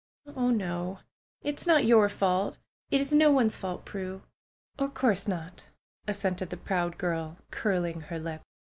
"Oh, no! It is not your fault. It is no one's fault, Pme." "Or course not !" assented the proud girl, curling her lip.